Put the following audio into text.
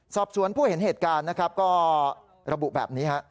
สอบส่วนผู้เห็นเหตุการณ์ก็ระบุแบบนี้